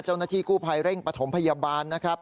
เจ้าหน้าที่กู้ภัยเร่งปฐมพยาบาลนะครับ